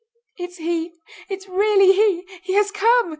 "It's he! It's really he! He has come!"